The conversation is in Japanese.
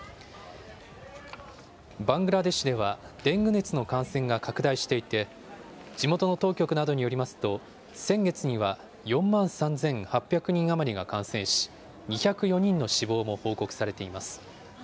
バングラデシュでは、デング熱の感染が拡大していて、地元の当局などによりますと、先月には４万３８００人余りが感染し、２０４人の死亡も報告されています。